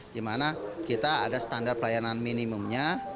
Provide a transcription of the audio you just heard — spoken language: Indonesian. dimana kita ada standar pelayanan minimumnya